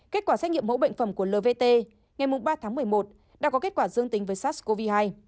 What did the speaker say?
kết quả xét nghiệm mẫu bệnh phẩm của lvt ngày ba tháng một mươi một đã có kết quả dương tính với sars cov hai